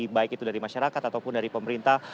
baik itu dari masyarakat ataupun dari pemerintah